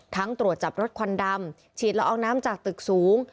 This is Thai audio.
ตรวจจับรถควันดำฉีดละอองน้ำจากตึกสูง